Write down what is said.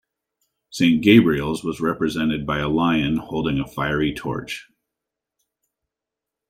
Saint Gabriel's was represented by a lion holding a fiery torch.